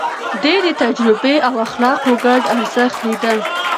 ده د تجربې او اخلاقو ګډ ارزښت ليده.